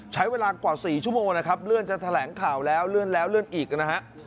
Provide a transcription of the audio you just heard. ใช้เวลากว่า๔ชั่วโมงนะครับเลื่อนจะแถลงข่าวแล้วเลื่อนแล้วเลื่อนอีกนะฮะ